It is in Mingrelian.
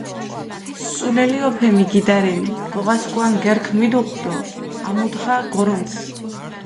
სულელი ჸოფე მიგიდა რენი, გოღა სქუა ნგერქჷ მიდუღჷ დო ამუდღა გორჷნცჷ.